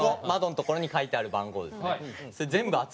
窓のところに書いてある番号ですね。